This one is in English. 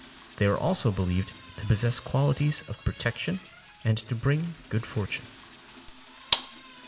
They are also believed to possess qualities of protection and to bring good fortune.